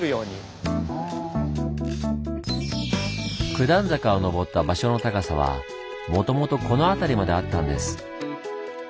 九段坂を上った場所の高さはもともとこの辺りまであったんです。